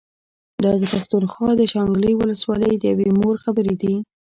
دا د پښتونخوا د شانګلې ولسوالۍ د يوې مور خبرې دي